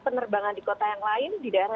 penerbangan di kota yang lain di daerah